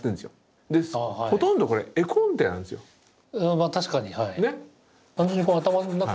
まあ確かにはい。ね。